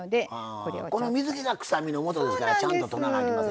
この水けが臭みのもとですからちゃんととらなあきませんな。